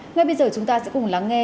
ngay bây giờ chúng ta sẽ cùng lắng nghe